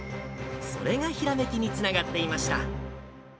それがひらめきにつながっていました。